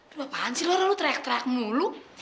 lu apaan sih lu lalu lu teriak teriak mulu